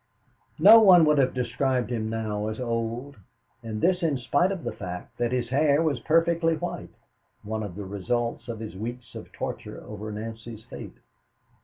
No one would have described him now as old, and this in spite of the fact that his hair was perfectly white one of the results of his weeks of torture over Nancy's fate.